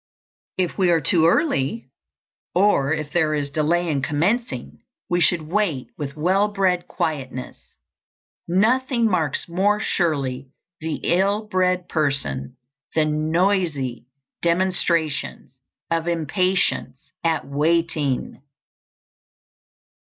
If we are too early, or if there is delay in commencing, we should wait with well bred quietness. Nothing marks more surely the ill bred person than noisy demonstrations of impatience at waiting.